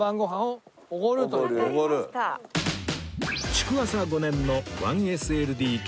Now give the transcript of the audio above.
築浅５年の １ＳＬＤＫ